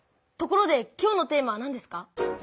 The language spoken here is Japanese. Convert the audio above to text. ところで今日のテーマはなんですか？